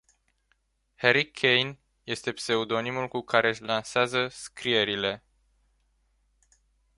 Harry Caine este pseudonimul cu care își lansează scrierile.